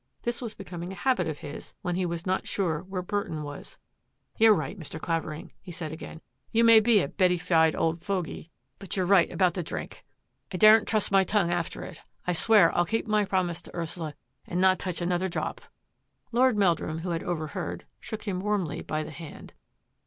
This was becoming a habit of his when he was not sure where Burton was. " You're right, Mr. Clavering," he said again. " You may be a bettyfied old fogy, but you're right 188 THAT AFFAIR AT THE MANOR about the drink. I daren't trust my tongue after it. I swear I'll keep my promise to Ursula and not touch another drop." Lord Meldnim, who had overheard, shook him warmly by the hand.